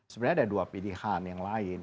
sebenarnya ada dua pilihan yang lain